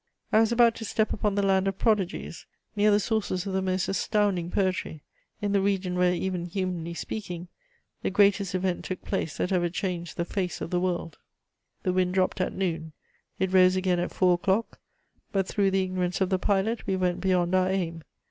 I was about to step upon the land of prodigies, near the sources of the most astounding poetry, in the region where, even humanly speaking, the greatest event took place that ever changed the face of the world. .......... "The wind dropped at noon; it rose again at four o'clock; but through the ignorance of the pilot we went beyond our aim....